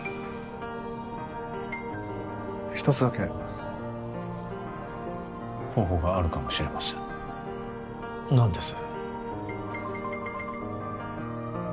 一つだけ方法があるかもしれません何です？